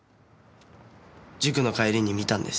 塾の帰りに見たんです。